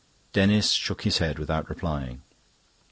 Denis shook his head without replying.